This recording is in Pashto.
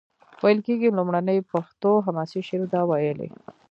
ویل کیږي لومړنی پښتو حماسي شعر ده ویلی.